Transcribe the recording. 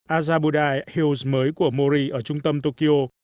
azabudai hills mới của mori ở trung tâm tokyo